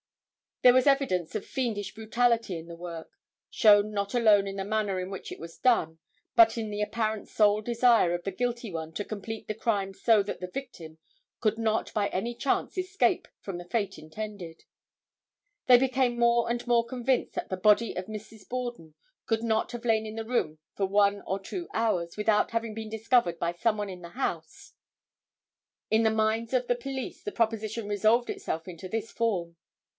There was evidence of fiendish brutality in the work, shown not alone in the manner in which it was done, but in the apparent sole desire of the guilty one to complete the crime so that the victim could not by any chance escape from the fate intended. They became more and more convinced that the body of Mrs. Borden could not have lain in the room for one or two hours, without having been discovered by some one in the house. In the minds of the police the proposition resolved itself into this form.